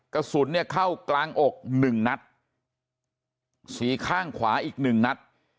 กระสุนเนี่ยเข้ากลางอกหนึ่งนัดสีข้างขวาอีกหนึ่งนัด